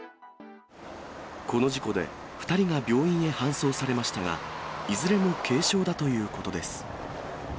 この事故で、２人が病院に搬送されましたが、いずれも軽傷だということです。